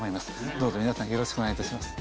どうぞ皆さんよろしくお願いいたします。